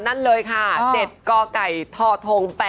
นั่นเลยค่ะ๗กไก่ทท๘